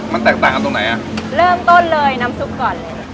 มันแตกต่างกันตรงไหนอ่ะเริ่มต้นเลยน้ำซุปก่อนเลย